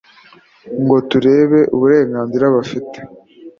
ngo tubereke uburenganzira bafite